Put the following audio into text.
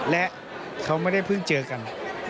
และเขาไม่ได้เพิ่งเจอกัน